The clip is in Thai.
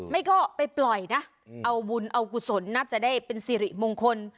ไม่ก็ไปปล่อยนะเอาบุญเอากุศลน่าจะได้เป็นสิริมงคล